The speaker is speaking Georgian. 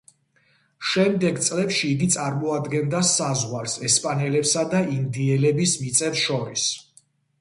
შემდეგ წლებში იგი წარმოადგენდა საზღვარს ესპანელებსა და ინდიელების მიწებს შორის.